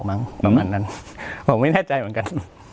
ผมไม่แน่ใจเหมือนกัน